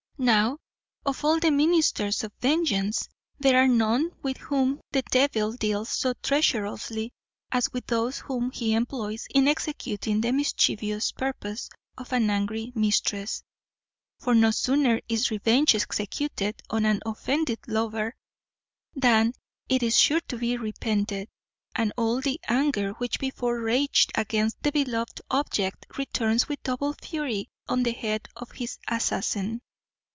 Now, of all the ministers of vengeance, there are none with whom the devil deals so treacherously as with those whom he employs in executing the mischievous purposes of an angry mistress; for no sooner is revenge executed on an offending lover that it is sure to be repented; and all the anger which before raged against the beloved object, returns with double fury on the head of his assassin.